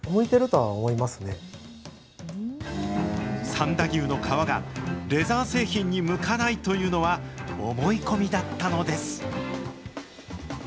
三田牛の革がレザー製品に向かないというのは、思い込みだったのです。